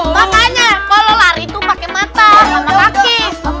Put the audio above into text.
makanya kalau lari tuh pakai mata sama kaki